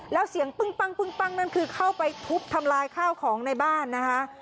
แล้วเสียงปึ้งปั้งนั่นคือเข้าไปทุบทำลายข้าวของในบ้านนะคะ